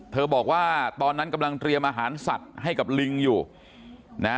บอกว่าตอนนั้นกำลังเตรียมอาหารสัตว์ให้กับลิงอยู่นะ